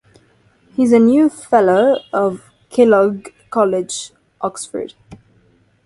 He is now a Fellow of Kellogg College, Oxford.